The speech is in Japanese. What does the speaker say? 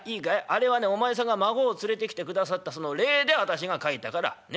あれはねお前さんが孫を連れてきてくださったその礼で私が書いたからねっ。